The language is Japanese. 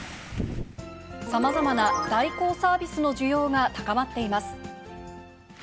さまざまな代行サービスの需要が高まっています。